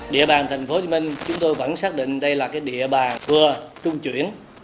địa bàn tp hcm chúng tôi vẫn xác định đây là địa bàn vừa trung chuyển